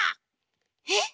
えっ！？